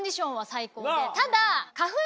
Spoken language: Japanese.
ただ。